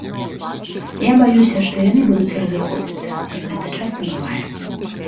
Я баюся, што яны будуць разыходзіцца, як гэта часта бывае.